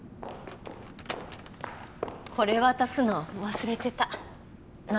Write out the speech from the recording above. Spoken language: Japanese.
これ渡すの忘れてた何？